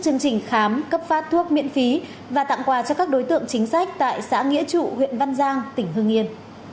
chương trình khám cấp phát thuốc miễn phí và tặng quà cho các đối tượng chính sách tại xã nghĩa trụ huyện văn giang tỉnh hương yên